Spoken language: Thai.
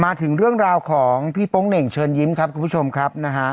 มาถึงเรื่องราวของพี่โป๊งเหน่งเชิญยิ้มครับคุณผู้ชมครับนะฮะ